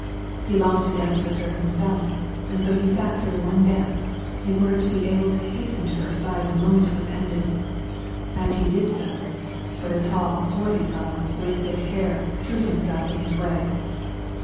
He longed to dance with her himself, and so he sat through one dance, in order to be able to hasten to her side the moment it was ended; and he did so, but a tall, swarthy fellow, with thick hair, threw himself in his way.